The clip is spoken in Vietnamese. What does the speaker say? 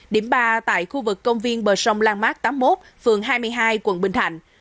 điểm ba tại khu vực công viên bờ sông lan mát tám mươi một phường hai mươi hai quận bình thạnh